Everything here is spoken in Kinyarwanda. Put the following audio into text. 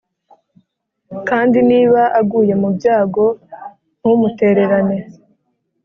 kandi niba aguye mu byago ntumutererane.